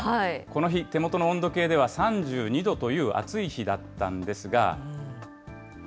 この日、手元の温度計では３２度という暑い日だったんですが。